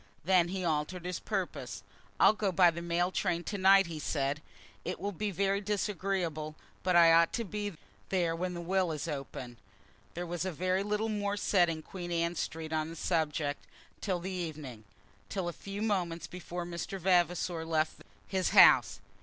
Then he altered his purpose. "I'll go by the mail train to night," he said. "It will be very disagreeable, but I ought to be there when the will is opened." There was very little more said in Queen Anne Street on the subject till the evening, till a few moments before Mr. Vavasor left his house.